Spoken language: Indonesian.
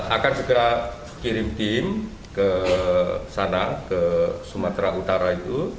akan segera kirim tim ke sana ke sumatera utara itu